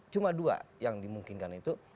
cuma dua yang dimungkinkan itu